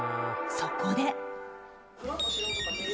そこで。